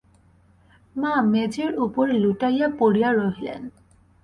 মা মেজের উপরে লুটাইয়া পড়িয়া রহিলেন।